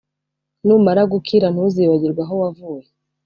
Numara gukira ntuzibagirwe aho wavuye